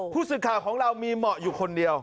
ผู้สื่อข่าวของเรามีเหมาะอยู่คนเดียว